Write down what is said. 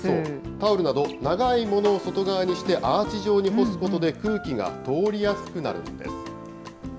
タオルなど、長いものを外側にしてアーチ状に干すことで空気が通りやすくなるんです。